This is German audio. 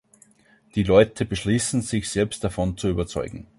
Die Leute beschließen, sich selbst davon zu überzeugen.